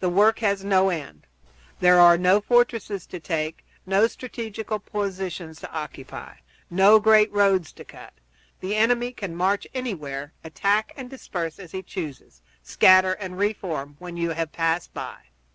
The work has no end. There are no fortresses to take, no strategical positions to occupy, no great roads to cut. The enemy can march anywhere, attack and disperse as he chooses, scatter, and re form when you have passed by.